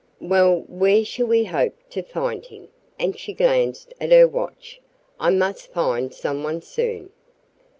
"Well, where shall we hope to find him?" and she glanced at her watch. "I must find some one soon."